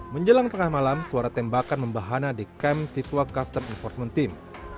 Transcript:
menjelang tengah malam suara tembakan membahana di kamp siswa custom enforcement team